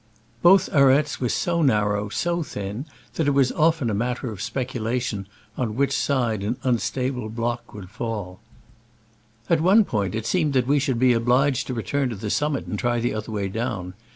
Both aretes were so narrow, so thin, that it was often a matter for speculation on which side an unstable block would fall. At one point it seemed that we should be obliged to return to the summit and try the other way down.